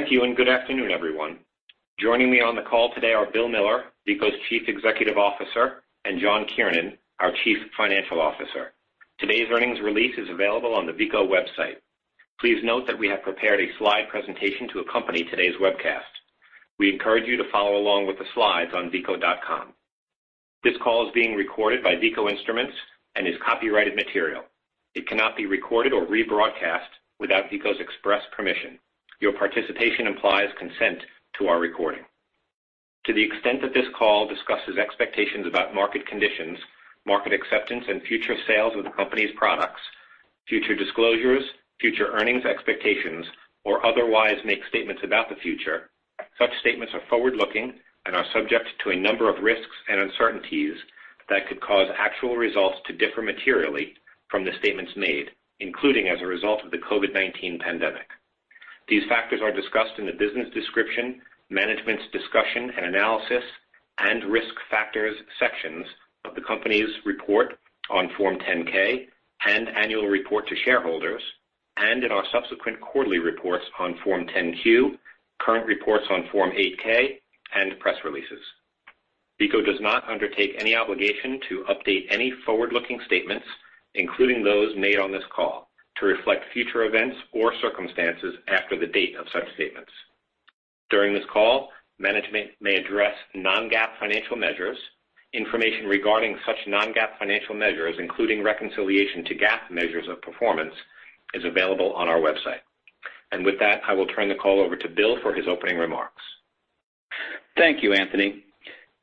Thank you, and good afternoon, everyone. Joining me on the call today are Bill Miller, Veeco's Chief Executive Officer, and John Kiernan, our Chief Financial Officer. Today's earnings release is available on the Veeco website. Please note that we have prepared a slide presentation to accompany today's webcast. We encourage you to follow along with the slides on veeco.com. This call is being recorded by Veeco Instruments and is copyrighted material. It cannot be recorded or rebroadcast without Veeco's express permission. Your participation implies consent to our recording. To the extent that this call discusses expectations about market conditions, market acceptance, and future sales of the company's products, future disclosures, future earnings expectations, or otherwise makes statements about the future, such statements are forward-looking and are subject to a number of risks and uncertainties that could cause actual results to differ materially from the statements made, including as a result of the COVID-19 pandemic. These factors are discussed in the Business Description, Management's Discussion and Analysis, and Risk Factors sections of the company's report on Form 10-K and annual report to shareholders, and in our subsequent quarterly reports on Form 10-Q, current reports on Form 8-K, and press releases. Veeco does not undertake any obligation to update any forward-looking statements, including those made on this call, to reflect future events or circumstances after the date of such statements. During this call, management may address non-GAAP financial measures. Information regarding such non-GAAP financial measures, including reconciliation to GAAP measures of performance, is available on our website. With that, I will turn the call over to Bill for his opening remarks. Thank you, Anthony.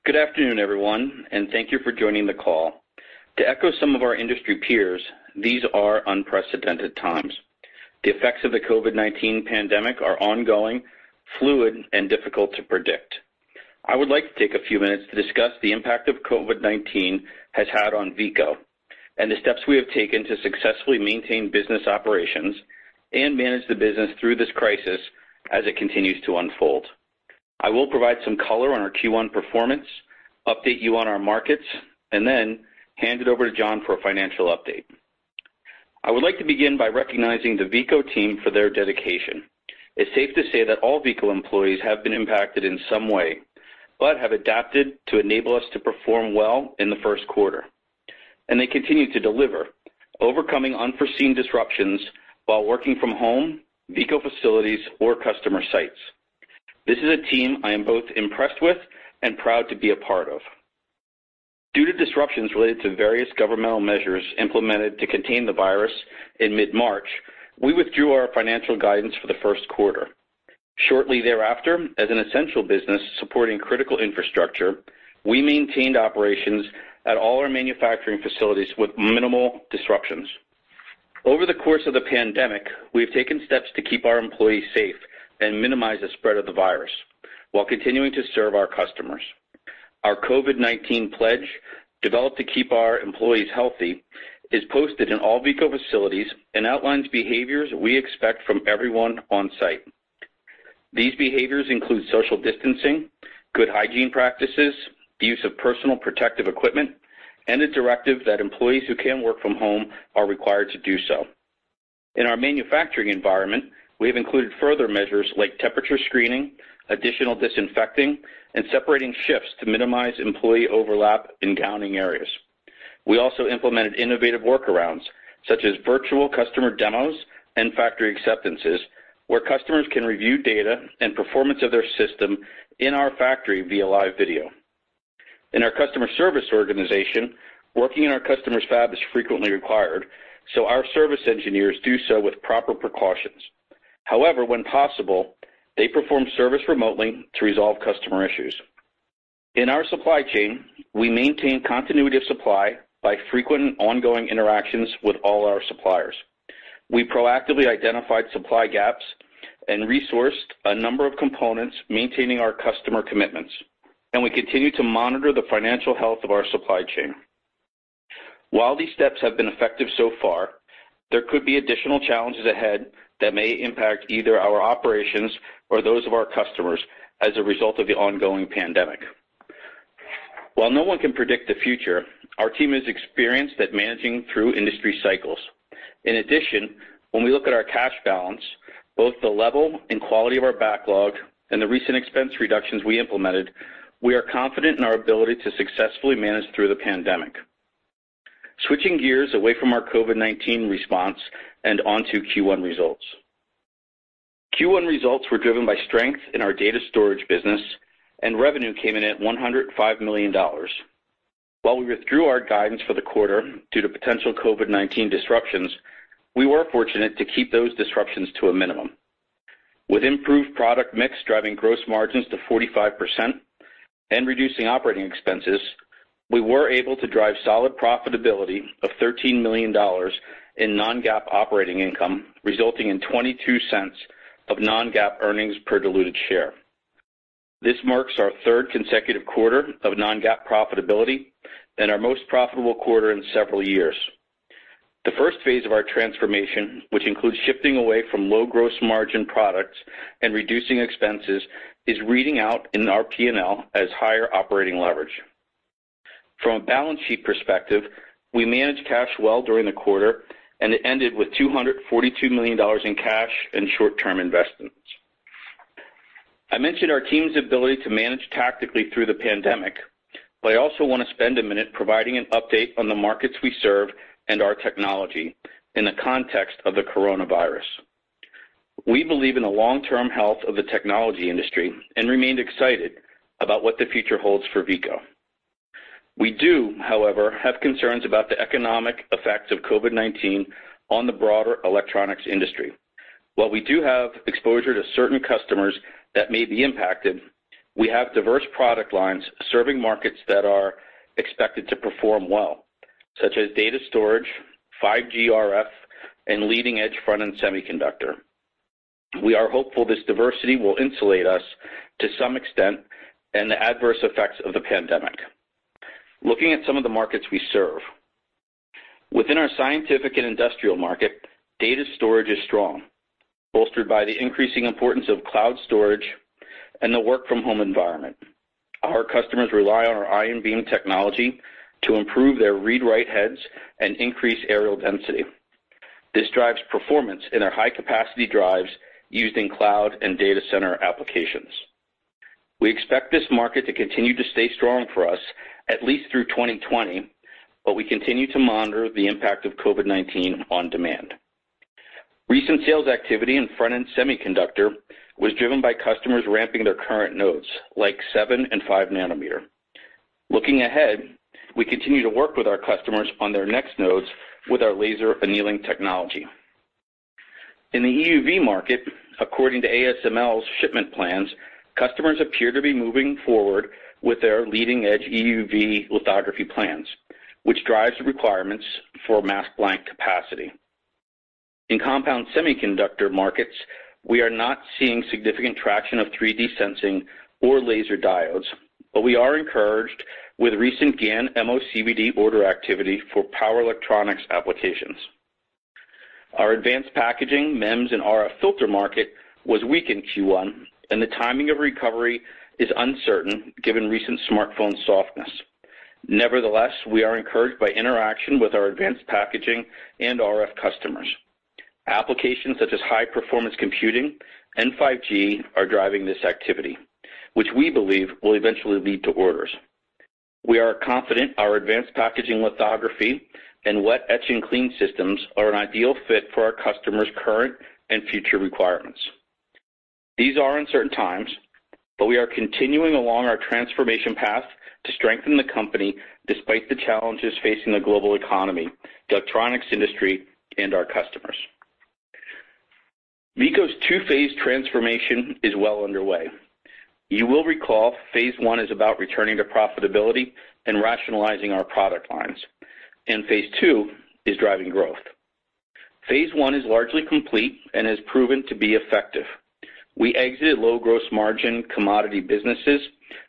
Good afternoon, everyone, and thank you for joining the call. To echo some of our industry peers, these are unprecedented times. The effects of the COVID-19 pandemic are ongoing, fluid, and difficult to predict. I would like to take a few minutes to discuss the impact COVID-19 has had on Veeco and the steps we have taken to successfully maintain business operations and manage the business through this crisis as it continues to unfold. I will provide some color on our Q1 performance, update you on our markets, and then hand it over to John for a financial update. I would like to begin by recognizing the Veeco team for their dedication. It's safe to say that all Veeco employees have been impacted in some way but have adapted to enable us to perform well in the first quarter. They continue to deliver, overcoming unforeseen disruptions while working from home, Veeco facilities, or customer sites. This is a team I am both impressed with and proud to be a part of. Due to disruptions related to various governmental measures implemented to contain the virus in mid-March, we withdrew our financial guidance for the first quarter. Shortly thereafter, as an essential business supporting critical infrastructure, we maintained operations at all our manufacturing facilities with minimal disruptions. Over the course of the pandemic, we have taken steps to keep our employees safe and minimize the spread of the virus while continuing to serve our customers. Our COVID-19 pledge, developed to keep our employees healthy, is posted in all Veeco facilities and outlines behaviors we expect from everyone on-site. These behaviors include social distancing, good hygiene practices, the use of personal protective equipment, and a directive that employees who can work from home are required to do so. In our manufacturing environment, we have included further measures like temperature screening, additional disinfecting, and separating shifts to minimize employee overlap in gowning areas. We also implemented innovative workarounds, such as virtual customer demos and factory acceptances, where customers can review data and performance of their system in our factory via live video. In our customer service organization, working in our customer's fab is frequently required, so our service engineers do so with proper precautions. However, when possible, they perform service remotely to resolve customer issues. In our supply chain, we maintain continuity of supply by frequent and ongoing interactions with all our suppliers. We proactively identified supply gaps and resourced a number of components maintaining our customer commitments. We continue to monitor the financial health of our supply chain. While these steps have been effective so far, there could be additional challenges ahead that may impact either our operations or those of our customers as a result of the ongoing pandemic. While no one can predict the future, our team is experienced at managing through industry cycles. In addition, when we look at our cash balance, both the level and quality of our backlog, and the recent expense reductions we implemented, we are confident in our ability to successfully manage through the pandemic. Switching gears away from our COVID-19 response and onto Q1 results. Q1 results were driven by strength in our data storage business. Revenue came in at $105 million. While we withdrew our guidance for the quarter due to potential COVID-19 disruptions, we were fortunate to keep those disruptions to a minimum. With improved product mix driving gross margins to 45% and reducing operating expenses, we were able to drive solid profitability of $13 million in non-GAAP operating income, resulting in $0.22 of non-GAAP earnings per diluted share. This marks our third consecutive quarter of non-GAAP profitability and our most profitable quarter in several years. The first phase of our transformation, which includes shifting away from low gross margin products and reducing expenses, is reading out in our P&L as higher operating leverage. From a balance sheet perspective, we managed cash well during the quarter, and it ended with $242 million in cash and short-term investments. I mentioned our team's ability to manage tactically through the pandemic. I also want to spend a minute providing an update on the markets we serve and our technology in the context of COVID-19. We believe in the long-term health of the technology industry and remain excited about what the future holds for Veeco. We do, however, have concerns about the economic effects of COVID-19 on the broader electronics industry. While we do have exposure to certain customers that may be impacted, we have diverse product lines serving markets that are expected to perform well, such as data storage, 5G RF, and leading-edge front-end semiconductor. We are hopeful this diversity will insulate us to some extent in the adverse effects of the pandemic. Looking at some of the markets we serve. Within our scientific and industrial market, data storage is strong, bolstered by the increasing importance of cloud storage and the work-from-home environment. Our customers rely on our ion beam technology to improve their read/write heads and increase areal density. This drives performance in our high-capacity drives used in cloud and data center applications. We expect this market to continue to stay strong for us at least through 2020, but we continue to monitor the impact of COVID-19 on demand. Recent sales activity in front-end semiconductor was driven by customers ramping their current nodes, like seven and five nanometer. Looking ahead, we continue to work with our customers on their next nodes with our laser annealing technology. In the EUV market, according to ASML's shipment plans, customers appear to be moving forward with their leading-edge EUV lithography plans, which drives the requirements for mask blank capacity. In compound semiconductor markets, we are not seeing significant traction of 3D sensing or laser diodes, but we are encouraged with recent GaN MOCVD order activity for power electronics applications. Our advanced packaging MEMS and RF filter market was weak in Q1, and the timing of recovery is uncertain given recent smartphone softness. Nevertheless, we are encouraged by interaction with our advanced packaging and RF customers. Applications such as high-performance computing and 5G are driving this activity, which we believe will eventually lead to orders. We are confident our advanced packaging lithography and wet etch and clean systems are an ideal fit for our customers' current and future requirements. These are uncertain times, but we are continuing along our transformation path to strengthen the company despite the challenges facing the global economy, the electronics industry, and our customers. Veeco's two-phase transformation is well underway. You will recall Phase One is about returning to profitability and rationalizing our product lines. Phase Two is driving growth. Phase One is largely complete and has proven to be effective. We exited low gross margin commodity businesses,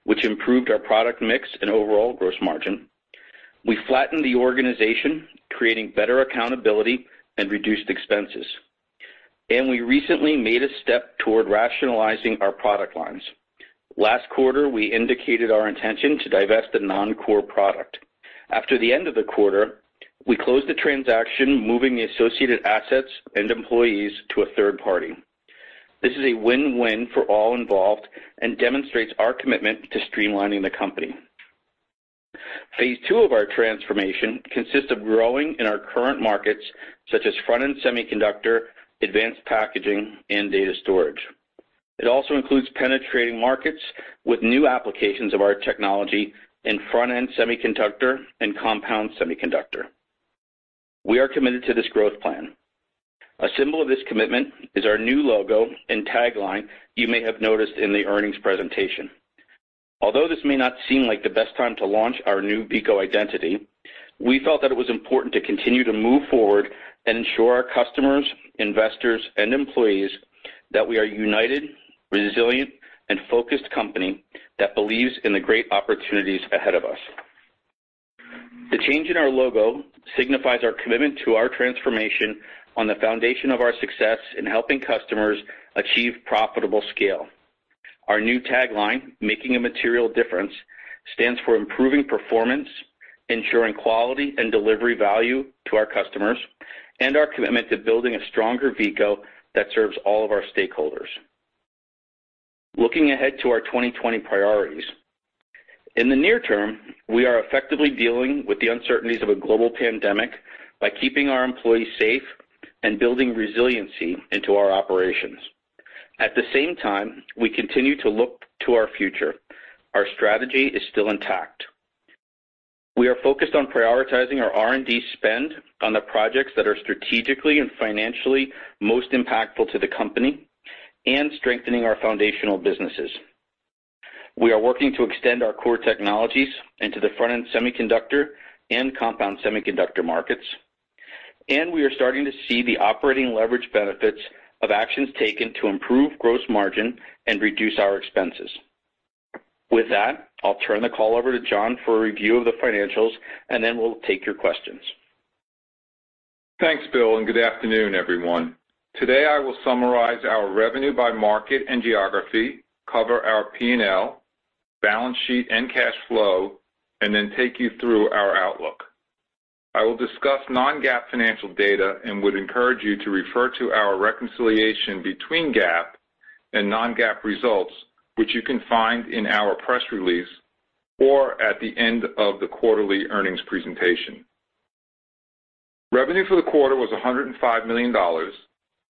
which improved our product mix and overall gross margin. We flattened the organization, creating better accountability and reduced expenses. We recently made a step toward rationalizing our product lines. Last quarter, we indicated our intention to divest a non-core product. After the end of the quarter, we closed the transaction, moving the associated assets and employees to a third party. This is a win-win for all involved and demonstrates our commitment to streamlining the company. Phase Two of our transformation consists of growing in our current markets, such as front-end semiconductor, advanced packaging, and data storage. It also includes penetrating markets with new applications of our technology in front-end semiconductor and compound semiconductor. We are committed to this growth plan. A symbol of this commitment is our new logo and tagline you may have noticed in the earnings presentation. Although this may not seem like the best time to launch our new Veeco identity, we felt that it was important to continue to move forward and ensure our customers, investors, and employees that we are a united, resilient, and focused company that believes in the great opportunities ahead of us. The change in our logo signifies our commitment to our transformation on the foundation of our success in helping customers achieve profitable scale. Our new tagline, "Making a Material Difference," stands for improving performance, ensuring quality and delivery value to our customers, and our commitment to building a stronger Veeco that serves all of our stakeholders. Looking ahead to our 2020 priorities. In the near term, we are effectively dealing with the uncertainties of a global pandemic by keeping our employees safe and building resiliency into our operations. At the same time, we continue to look to our future. Our strategy is still intact. We are focused on prioritizing our R&D spend on the projects that are strategically and financially most impactful to the company and strengthening our foundational businesses. We are working to extend our core technologies into the front-end semiconductor and compound semiconductor markets. We are starting to see the operating leverage benefits of actions taken to improve gross margin and reduce our expenses. With that, I'll turn the call over to John for a review of the financials, and then we'll take your questions. Thanks, Bill. Good afternoon, everyone. Today, I will summarize our revenue by market and geography, cover our P&L, balance sheet and cash flow, take you through our outlook. I will discuss non-GAAP financial data, would encourage you to refer to our reconciliation between GAAP and non-GAAP results, which you can find in our press release or at the end of the quarterly earnings presentation. Revenue for the quarter was $105 million,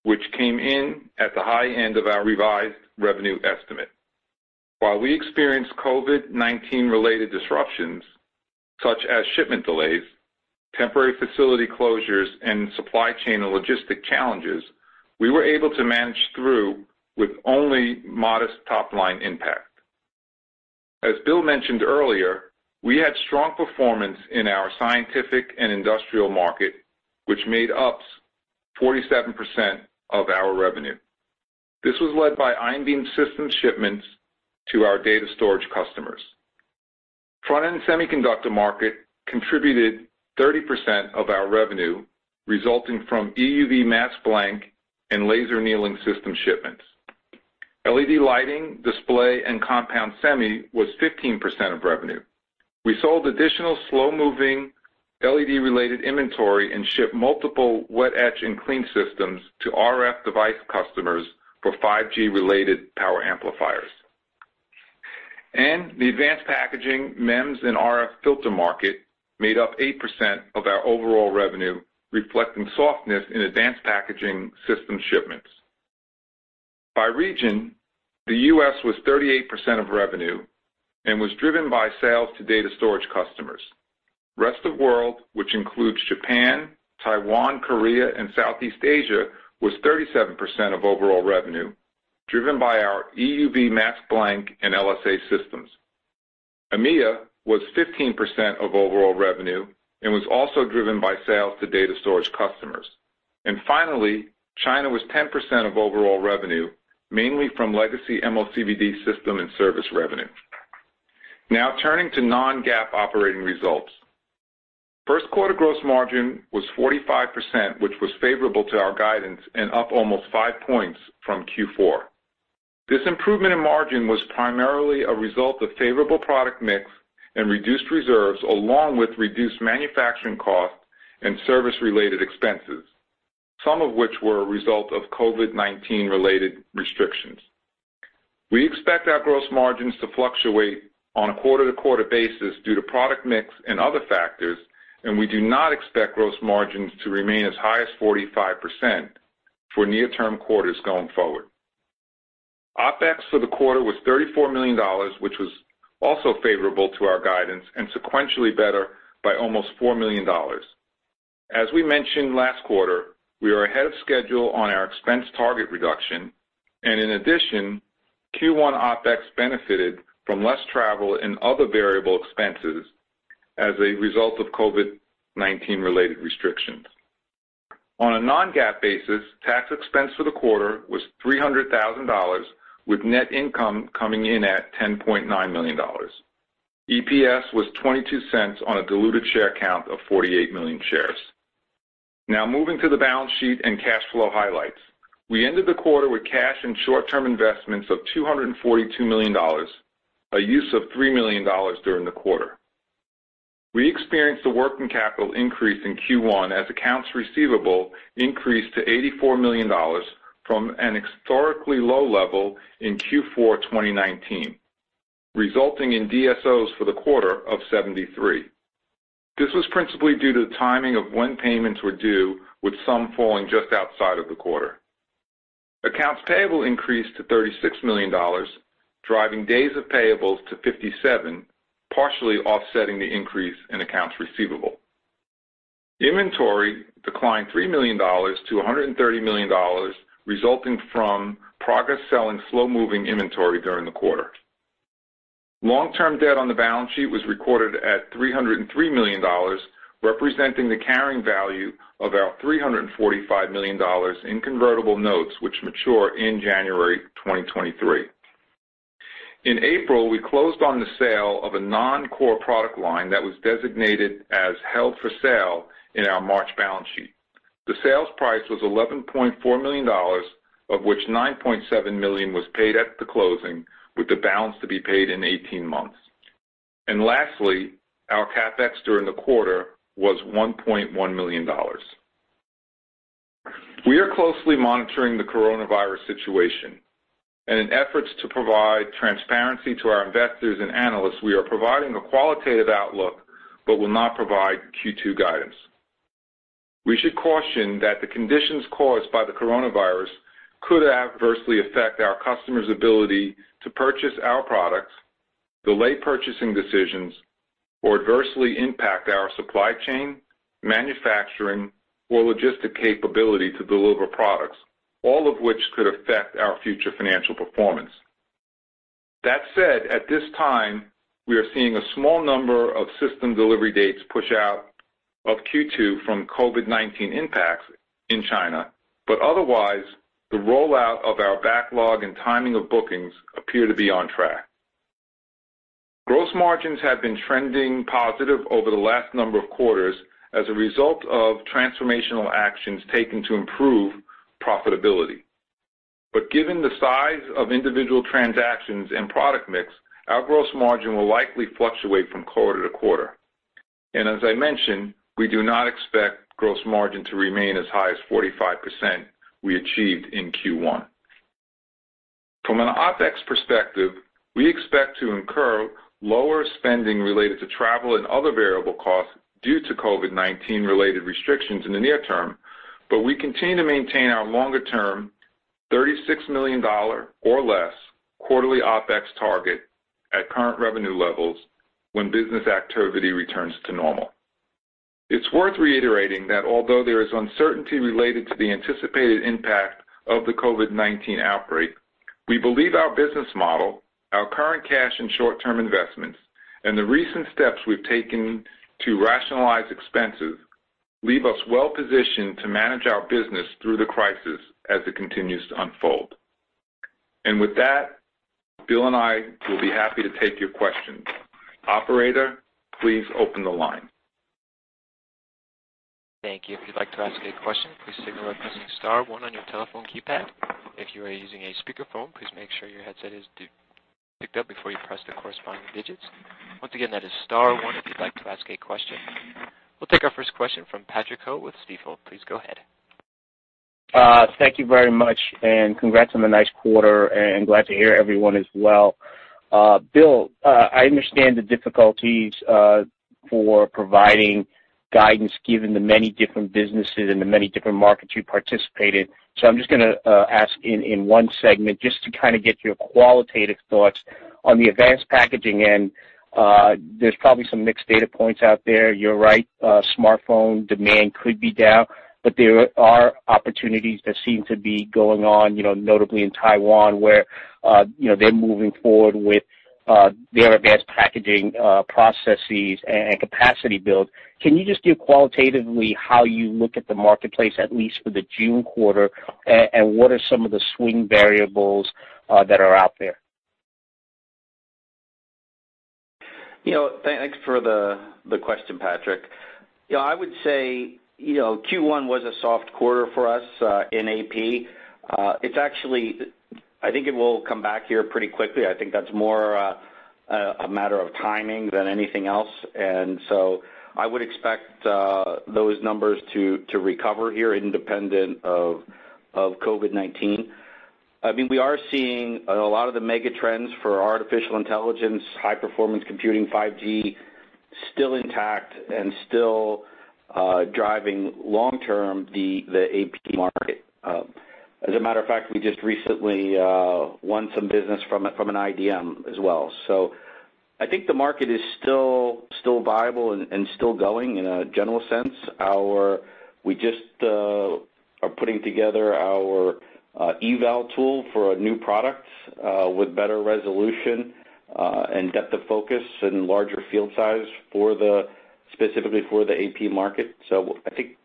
which came in at the high end of our revised revenue estimate. While we experienced COVID-19 related disruptions such as shipment delays, temporary facility closures, supply chain and logistic challenges, we were able to manage through with only modest top-line impact. As Bill mentioned earlier, we had strong performance in our scientific and industrial market, which made up 47% of our revenue. This was led by ion beam system shipments to our data storage customers. Front-end semiconductor market contributed 30% of our revenue, resulting from EUV mask blank and laser annealing system shipments. LED lighting, display, and compound semi was 15% of revenue. We sold additional slow-moving LED-related inventory and shipped multiple wet etch and clean systems to RF device customers for 5G-related power amplifiers. The advanced packaging MEMS and RF filter market made up 8% of our overall revenue, reflecting softness in advanced packaging system shipments. By region, the U.S. was 38% of revenue and was driven by sales to data storage customers. Rest of world, which includes Japan, Taiwan, Korea, and Southeast Asia, was 37% of overall revenue, driven by our EUV mask blank and LSA systems. EMEA was 15% of overall revenue and was also driven by sales to data storage customers. Finally, China was 10% of overall revenue, mainly from legacy MOCVD system and service revenue. Turning to non-GAAP operating results. First quarter gross margin was 45%, which was favorable to our guidance and up almost five points from Q4. This improvement in margin was primarily a result of favorable product mix and reduced reserves, along with reduced manufacturing costs and service-related expenses, some of which were a result of COVID-19-related restrictions. We expect our gross margins to fluctuate on a quarter-to-quarter basis due to product mix and other factors, and we do not expect gross margins to remain as high as 45% for near-term quarters going forward. OpEx for the quarter was $34 million, which was also favorable to our guidance and sequentially better by almost $4 million. As we mentioned last quarter, we are ahead of schedule on our expense target reduction. In addition, Q1 OpEx benefited from less travel and other variable expenses as a result of COVID-19-related restrictions. On a non-GAAP basis, tax expense for the quarter was $300,000, with net income coming in at $10.9 million. EPS was $0.22 on a diluted share count of 48 million shares. Now moving to the balance sheet and cash flow highlights. We ended the quarter with cash and short-term investments of $242 million, a use of $3 million during the quarter. We experienced a working capital increase in Q1 as accounts receivable increased to $84 million from an historically low level in Q4 2019, resulting in DSOs for the quarter of 73. This was principally due to the timing of when payments were due, with some falling just outside of the quarter. Accounts payable increased to $36 million, driving days of payables to 57, partially offsetting the increase in accounts receivable. Inventory declined $3 to 130 million, resulting from progress selling slow-moving inventory during the quarter. Long-term debt on the balance sheet was recorded at $303 million, representing the carrying value of our $345 million in convertible notes, which mature in January 2023. In April, we closed on the sale of a non-core product line that was designated as held for sale in our March balance sheet. The sales price was $11.4 million, of which $9.7 million was paid at the closing, with the balance to be paid in 18 months. Lastly, our CapEx during the quarter was $1.1 million. We are closely monitoring the coronavirus situation, and in efforts to provide transparency to our investors and analysts, we are providing a qualitative outlook but will not provide Q2 guidance. We should caution that the conditions caused by the coronavirus could adversely affect our customers' ability to purchase our products, delay purchasing decisions, or adversely impact our supply chain, manufacturing, or logistic capability to deliver products, all of which could affect our future financial performance. That said, at this time, we are seeing a small number of system delivery dates push out of Q2 from COVID-19 impacts in China. Otherwise, the rollout of our backlog and timing of bookings appear to be on track. Gross margins have been trending positive over the last number of quarters as a result of transformational actions taken to improve profitability. Given the size of individual transactions and product mix, our gross margin will likely fluctuate from quarter to quarter. As I mentioned, we do not expect gross margin to remain as high as 45% we achieved in Q1. From an OpEx perspective, we expect to incur lower spending related to travel and other variable costs due to COVID-19 related restrictions in the near term. We continue to maintain our longer-term $36 million or less quarterly OpEx target at current revenue levels when business activity returns to normal. It's worth reiterating that although there is uncertainty related to the anticipated impact of the COVID-19 outbreak, we believe our business model, our current cash and short-term investments, and the recent steps we've taken to rationalize expenses leave us well-positioned to manage our business through the crisis as it continues to unfold. With that, Bill and I will be happy to take your questions. Operator, please open the line. Thank you. If you'd like to ask a question, please signal by pressing star one on your telephone keypad. If you are using a speakerphone, please make sure your headset is picked up before you press the corresponding digits. Once again, that is star one if you'd like to ask a question. We'll take our first question from Patrick Ho with Stifel. Please go ahead. Thank you very much, and congrats on a nice quarter, and glad to hear everyone is well. Bill, I understand the difficulties for providing guidance given the many different businesses and the many different markets you participate in. I'm just going to ask in one segment just to kind of get your qualitative thoughts. On the advanced packaging end, there's probably some mixed data points out there. You're right, smartphone demand could be down, but there are opportunities that seem to be going on, notably in Taiwan, where they're moving forward with their advanced packaging processes and capacity build. Can you just give qualitatively how you look at the marketplace, at least for the June quarter? What are some of the swing variables that are out there? Thanks for the question, Patrick. I would say, Q1 was a soft quarter for us in AP. I think it will come back here pretty quickly. I think that's more a matter of timing than anything else. I would expect those numbers to recover here independent of COVID-19. We are seeing a lot of the mega trends for artificial intelligence, high performance computing, 5G still intact and still driving long term the AP market. As a matter of fact, we just recently won some business from an IDM as well. I think the market is still viable and still going in a general sense. We just are putting together our eval tool for a new product with better resolution and depth of focus and larger field size specifically for the AP market. I think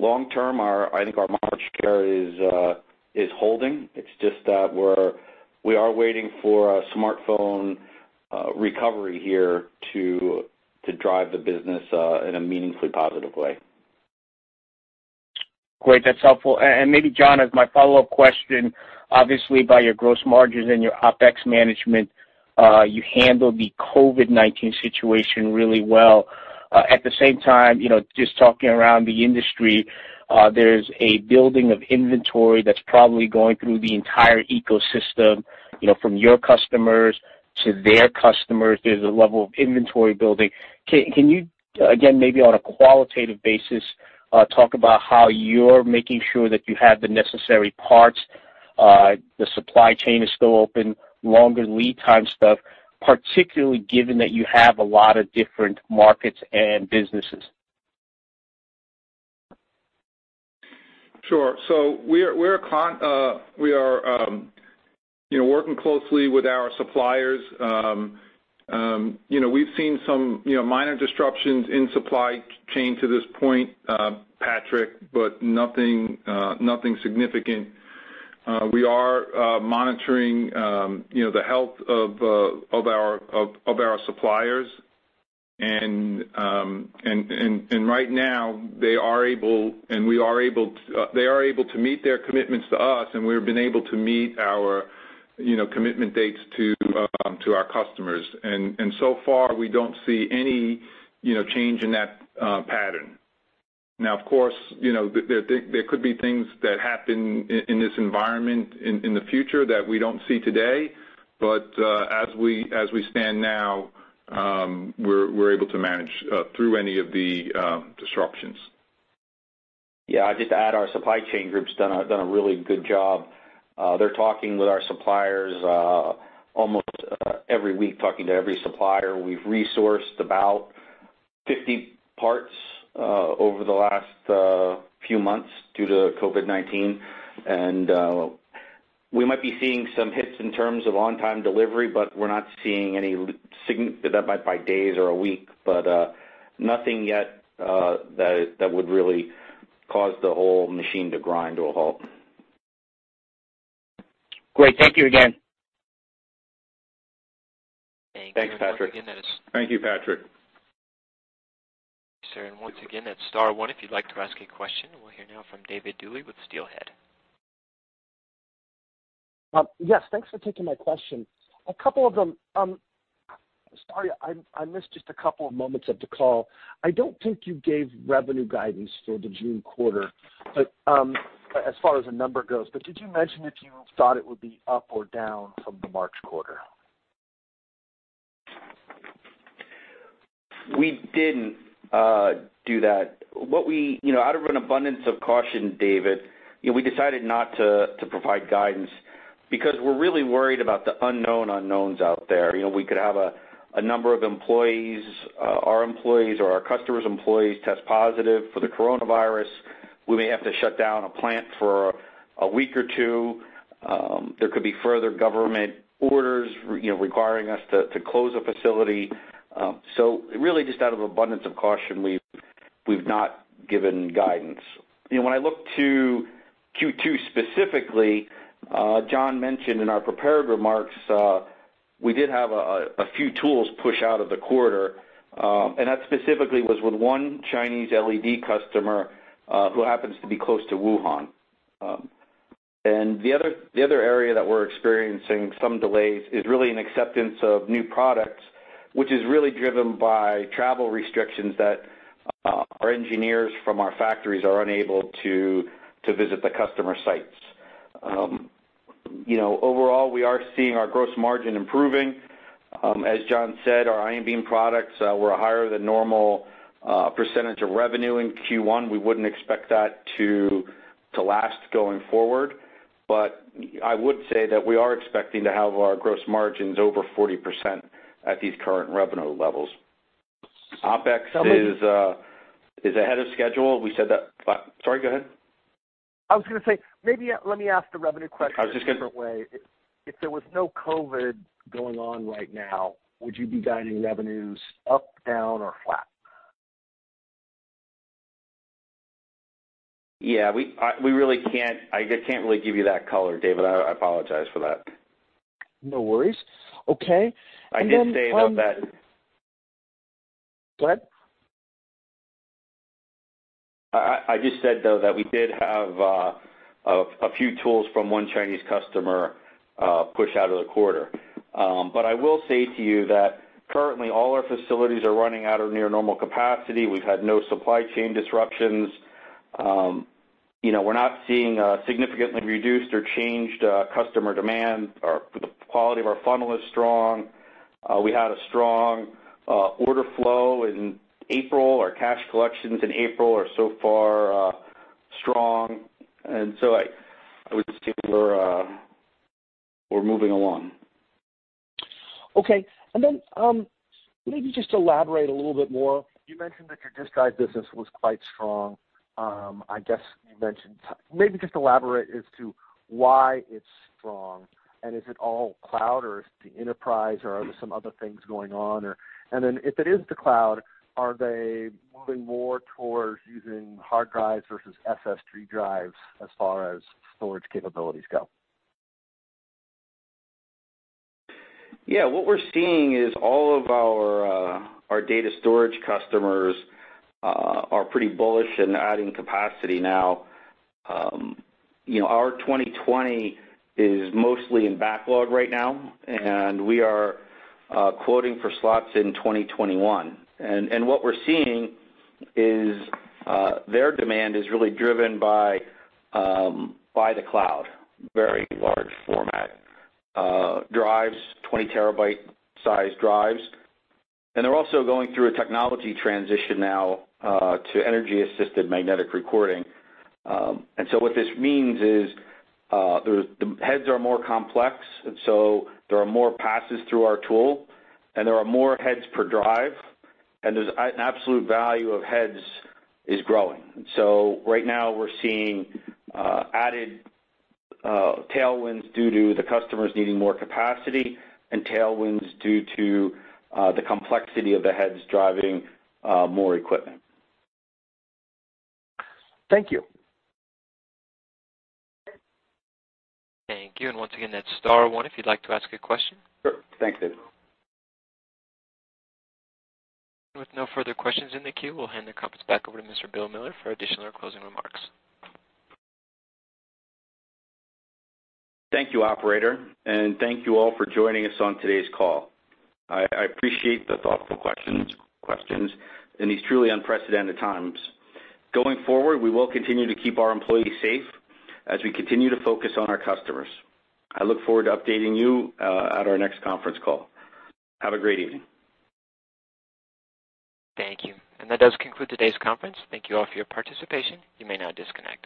long term, I think our market share is holding. It's just that we are waiting for a smartphone recovery here to drive the business in a meaningfully positive way. Great. That's helpful. Maybe John, as my follow-up question, obviously by your gross margins and your OpEx management, you handled the COVID-19 situation really well. At the same time, just talking around the industry, there's a building of inventory that's probably going through the entire ecosystem, from your customers to their customers. There's a level of inventory building. Can you, again, maybe on a qualitative basis, talk about how you're making sure that you have the necessary parts, the supply chain is still open, longer lead time stuff, particularly given that you have a lot of different markets and businesses? Sure. We are working closely with our suppliers. We've seen some minor disruptions in supply chain to this point, Patrick, but nothing significant. We are monitoring the health of our suppliers. Right now, they are able to meet their commitments to us, and we've been able to meet our commitment dates to our customers. So far, we don't see any change in that pattern. Now, of course, there could be things that happen in this environment in the future that we don't see today. As we stand now, we're able to manage through any of the disruptions. Yeah. I'll just add, our supply chain group's done a really good job. They're talking with our suppliers almost every week, talking to every supplier. We've resourced about 50 parts over the last few months due to COVID-19. We might be seeing some hits in terms of on-time delivery, by days or a week, but nothing yet that would really cause the whole machine to grind to a halt. Great. Thank you again. Thank you. Thanks, Patrick. Again, that is- Thank you, Patrick. Sir, once again, that's star one if you'd like to ask a question. We'll hear now from David Duley with Steelhead. Yes, thanks for taking my question. A couple of them. Sorry I missed just a couple of moments of the call. I don't think you gave revenue guidance for the June quarter, but as far as a number goes, but did you mention if you thought it would be up or down from the March quarter? We didn't do that. Out of an abundance of caution, David, we decided not to provide guidance because we're really worried about the unknown unknowns out there. We could have a number of employees, our employees or our customers' employees test positive for the coronavirus. We may have to shut down a plant for a week or two. There could be further government orders requiring us to close a facility. Really, just out of abundance of caution, we've not given guidance. When I look to Q2 specifically, John mentioned in our prepared remarks, we did have a few tools push out of the quarter. That specifically was with one Chinese LED customer who happens to be close to Wuhan. The other area that we're experiencing some delays is really in acceptance of new products, which is really driven by travel restrictions that our engineers from our factories are unable to visit the customer sites. Overall, we are seeing our gross margin improving. As John said, our ion beam products were a higher than normal percentage of revenue in Q1. We wouldn't expect that to last going forward. I would say that we are expecting to have our gross margins over 40% at these current revenue levels. OpEx is ahead of schedule. Sorry, go ahead. I was going to say, maybe let me ask the revenue question. I was just going to- a different way. If there was no COVID going on right now, would you be guiding revenues up, down, or flat? Yeah, I can't really give you that color, David. I apologize for that. No worries. Okay. I did say, though. Go ahead. I just said, though, that we did have a few tools from one Chinese customer push out of the quarter. I will say to you that currently all our facilities are running at or near normal capacity. We've had no supply chain disruptions. We're not seeing significantly reduced or changed customer demand. The quality of our funnel is strong. We had a strong order flow in April. Our cash collections in April are so far strong. I would say we're moving along. Okay. Maybe just elaborate a little bit more. You mentioned that your disk drive business was quite strong. Maybe just elaborate as to why it's strong, is it all cloud, or is it the enterprise, or are there some other things going on? If it is the cloud, are they moving more towards using hard drives versus SSD drives as far as storage capabilities go? Yeah, what we're seeing is all of our data storage customers are pretty bullish in adding capacity now. Our 2020 is mostly in backlog right now, and we are quoting for slots in 2021. What we're seeing is their demand is really driven by the cloud. Very large format drives, 20 terabyte size drives. They're also going through a technology transition now to energy-assisted magnetic recording. What this means is the heads are more complex, and so there are more passes through our tool, and there are more heads per drive, and the absolute value of heads is growing. Right now we're seeing added tailwinds due to the customers needing more capacity and tailwinds due to the complexity of the heads driving more equipment. Thank you. Thank you. Once again, that's star one if you'd like to ask a question. Sure. Thanks, David. With no further questions in the queue, we'll hand the conference back over to Mr. Bill Miller for additional or closing remarks. Thank you, operator, and thank you all for joining us on today's call. I appreciate the thoughtful questions in these truly unprecedented times. Going forward, we will continue to keep our employees safe as we continue to focus on our customers. I look forward to updating you at our next conference call. Have a great evening. Thank you. That does conclude today's conference. Thank you all for your participation. You may now disconnect.